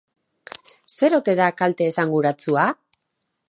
Zer ote da kalte esanguratsua?